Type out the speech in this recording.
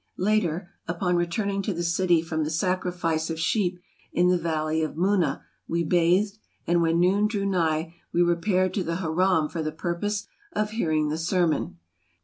Later, upon returning to the city from the sacrifice of sheep in the valley of Muna, we bathed, and when noon drew nigh we repaired to the Haram for the purpose of hear ing the sermon.